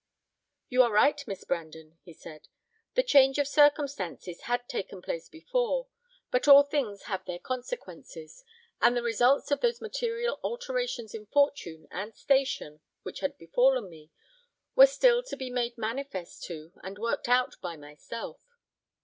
"You are right, Miss Brandon," he said, "the change of circumstances had taken place before; but all things have their consequences; and the results of those material alterations in fortune and station which had befallen me, were still to be made manifest to, and worked out by, myself.